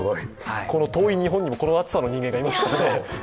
この遠い日本にもこの熱さの人がいますからね。